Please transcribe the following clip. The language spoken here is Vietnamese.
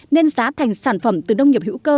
nên giá thành sản phẩm từ nông nghiệp hữu cơ